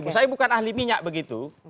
oh saya bukan ahli minyak begitu